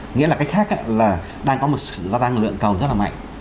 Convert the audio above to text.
nghĩa là cách khác là đang có một sự gia tăng lượng cầu rất là mạnh